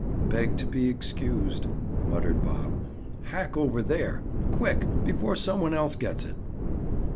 "Beg to be excused," muttered Bob. "Hack over there! Quick! Before some one else gets it."